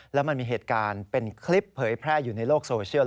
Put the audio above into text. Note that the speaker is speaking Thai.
แล้วมันมีเหตุการณ์เป็นคลิปเผยแพร่อยู่ในโลกโซเชียล